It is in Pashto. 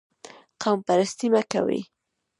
قوم پرستي مه کوئ